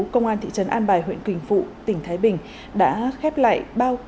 công an thị trấn an bài huyện quỳnh phụ tỉnh thái bình đã khép lại bao